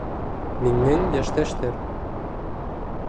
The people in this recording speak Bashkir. Минең йәштәштәр.